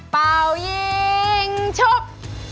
เป่ายิงชก